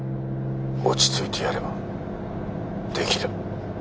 落ち着いてやればできる。